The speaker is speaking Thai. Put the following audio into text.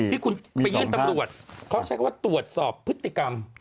ที่คุณไปยื่นตำรวจเขาใช้คำว่าตรวจสอบพฤติกรรม